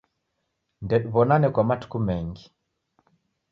Ndediw'onane kwa matuku mengi.